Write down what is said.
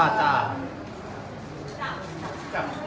ก็คือเจ้าเม่าคืนนี้